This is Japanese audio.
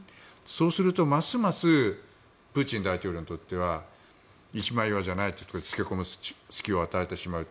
そうすると、ますますプーチン大統領にとっては一枚岩じゃないところに付け込む隙を与えてしまう。